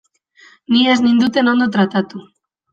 Ni ez ninduten ondo tratatu.